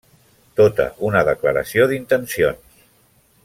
Tota una declaració d'intencions.